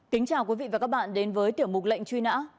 kính chào quý vị và các bạn đến với tiểu mục lệnh truy nã